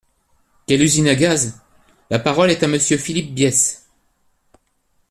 Quelle usine à gaz ! La parole est à Monsieur Philippe Bies.